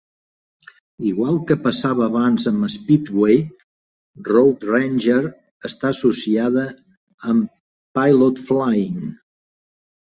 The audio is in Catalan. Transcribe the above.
Igual que passava abans amb Speedway, Road Ranger està associada amb Pilot Flying J.